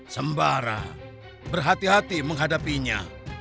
sembara berhati hati menghadapinya